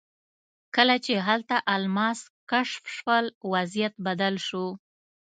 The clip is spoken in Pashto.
کله چې هلته الماس کشف شول وضعیت بدل شو.